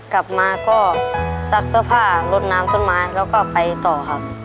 กลับมาก็ซักเสื้อผ้าลดน้ำต้นไม้แล้วก็ไปต่อครับ